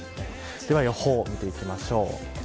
では予報を見ていきましょう。